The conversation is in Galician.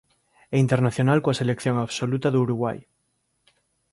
É internacional coa selección absoluta do Uruguai.